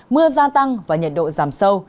mưa gia tăng và nhiệt độ giảm sâu